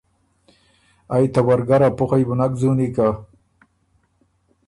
ائ ته ورګر ا پُخئ بُو نک ځُونی که